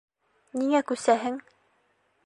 Ниңә күсәһең?